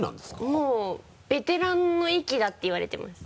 もうベテランの域だって言われています。